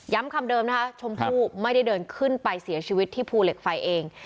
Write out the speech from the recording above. คำเดิมนะคะชมพู่ไม่ได้เดินขึ้นไปเสียชีวิตที่ภูเหล็กไฟเอง